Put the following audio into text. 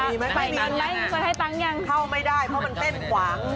มีมั้ยมีมั้ยมีคนให้ตังค์ยังเข้าไม่ได้เพราะมันเต้นขวาง